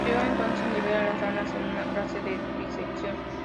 Elliott entonces libera las ranas en una clase de disección.